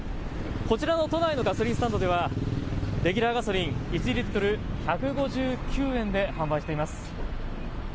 こちらの都内のガソリンスタンドではレギュラーガソリン、１リットル１５９円で販売しています。